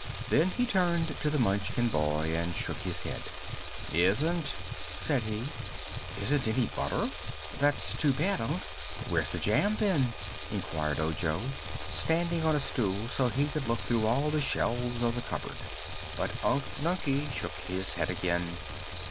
Then he turned to the Munchkin boy and shook his head. "Isn't," said he. "Isn't any butter? That's too bad, Unc. Where's the jam then?" inquired Ojo, standing on a stool so he could look through all the shelves of the cupboard. But Unc Nunkie shook his head again.